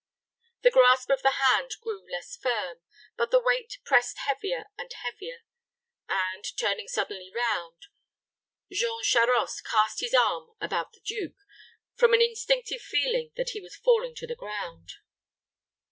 The grasp of the hand grew less firm, but the weight pressed heavier and heavier; and, turning suddenly round, Jean Charost cast his arm about the duke, from an instinctive feeling that he was falling to the ground.